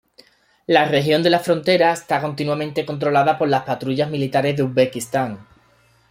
La región de la frontera está continuamente controlada por las patrullas militares de Uzbekistán.